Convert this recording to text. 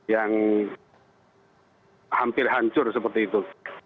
yang hampir hancur seperti itu